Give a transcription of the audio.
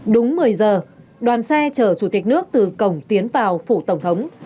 đúng một mươi giờ đoàn xe chở chủ tịch nước từ cổng tiến vào phủ tổng thống